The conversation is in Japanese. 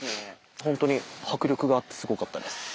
本当に迫力があってすごかったです。